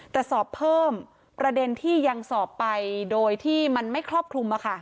แต่สอบเพิ่มประเด็นที่ยังสอบไปโดยที่มันไม่ครอบคลุม